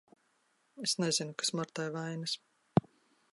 Es nezinu, kas Martai vainas.